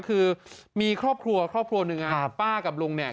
คือมีครอบครัวครอบครัวหนึ่งป้ากับลุงเนี่ย